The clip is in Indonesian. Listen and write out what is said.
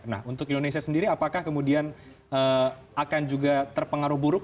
nah untuk indonesia sendiri apakah kemudian akan juga terpengaruh buruk